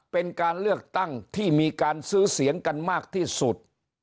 เป็นการเลือกตั้งที่มีการซื้อเสียงกันมากที่สุด